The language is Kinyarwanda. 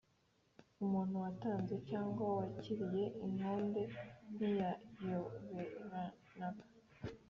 Umuntu watanze cyangwa wakiriye indonke ntiyayoberekana